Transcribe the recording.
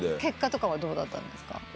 結果とかはどうだったんですか？